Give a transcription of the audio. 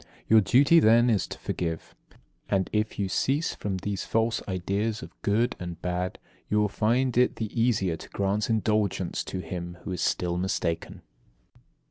Your duty then is to forgive. And, if you cease from these false ideas of good and bad, you will find it the easier to grant indulgence to him who is still mistaken.